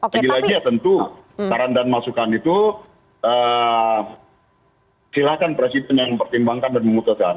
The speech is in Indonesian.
lagi lagi ya tentu saran dan masukan itu silakan presiden yang mempertimbangkan dan memutuskan